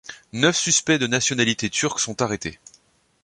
Neuf suspects de nationalité turque sont arrêtés.